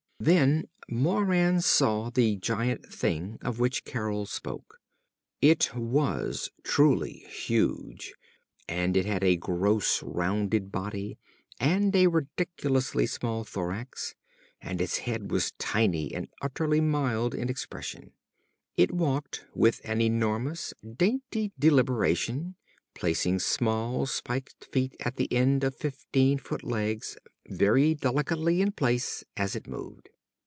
Then Moran saw the giant thing of which Carol spoke. It was truly huge, and it had a gross, rounded body, and a ridiculously small thorax, and its head was tiny and utterly mild in expression. It walked with an enormous, dainty deliberation, placing small spiked feet at the end of fifteen foot legs very delicately in place as it moved.